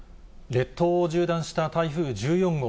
列島を縦断した台風１４号。